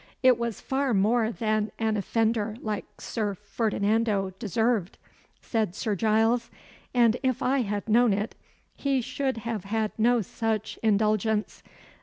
"It was far more than an offender like Sir Ferdinando deserved," said Sir Giles; "and, if I had known it, he should have had no such indulgence.